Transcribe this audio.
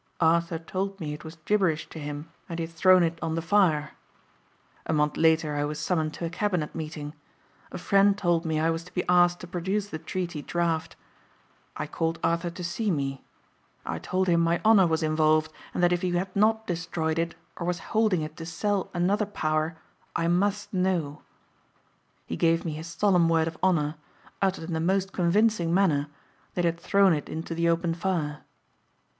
Arthur told me it was gibberish to him and he had thrown it on the fire. A month later I was summoned to a cabinet meeting. A friend told me I was to be asked to produce the treaty draft. I called Arthur to see me. I told him my honor was involved and that if he had not destroyed it or was holding it to sell another power I must know. He gave me his solemn word of honor, uttered in the most convincing manner, that he had thrown it into the open fire.